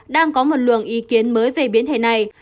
đang có một luồng ý kiến mới về biến thể này